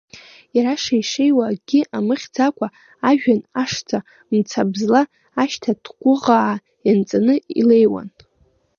Иара шеишеиуа, акгьы амыхьӡакәа, ажәҩан ашҵа мцабзла ашьҭа ҭӷәыхаа ианҵаны илеиуан.